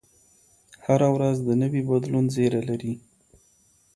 هره ورځ د نوي بدلون زېری لري